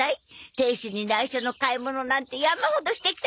亭主に内緒の買い物なんて山ほどしてきたからね。